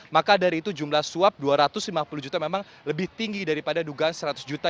maka dari itu jumlah suap dua ratus lima puluh juta memang lebih tinggi daripada dugaan seratus juta